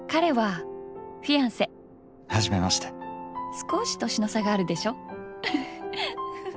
少し年の差があるでしょフフフ。